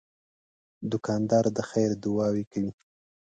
دوکاندار د خیر دعاوې کوي.